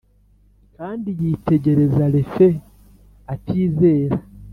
kandi yitegereza refe atizera,